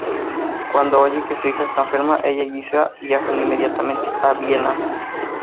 Cuando oye que su hija está enferma, ella y Luisa viajan inmediatamente a Viena.